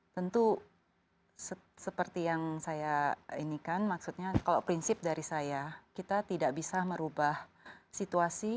tentu seperti yang saya ini kan maksudnya kalau prinsip dari saya kita tidak bisa merubah situasi